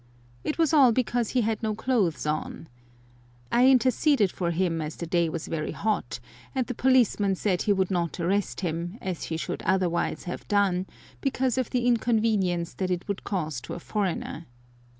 It was all because he had no clothes on. I interceded for him as the day was very hot, and the policeman said he would not arrest him, as he should otherwise have done, because of the inconvenience that it would cause to a foreigner.